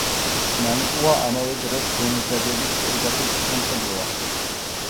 მანტუა ამავე დროს გონძაგების ოჯახის სამშობლოა.